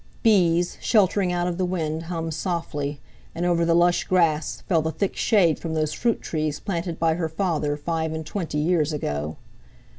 Bees, sheltering out of the wind, hummed softly, and over the lush grass fell the thick shade from those fruit trees planted by her father five and twenty, years ago.